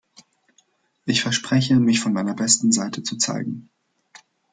Ich verspreche, mich von meiner besten Seite zu zeigen.